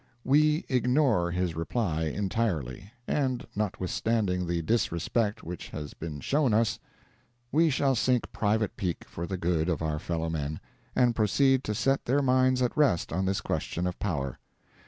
We ignore his reply entirely, and notwithstanding the disrespect which has been shown us, we shall sink private pique for the good of our fellow men, and proceed to set their minds at rest on this question of power.